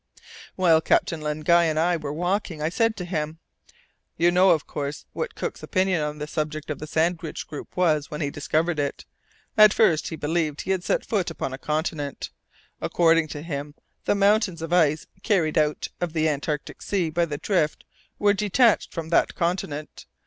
While Captain Len Guy and I were walking, I said to him, "You know, of course, what Cook's opinion on the subject of the Sandwich group was when he discovered it. At first he believed he had set foot upon a continent. According to him, the mountains of ice carried out of the Antarctic Sea by the drift were detached from that continent.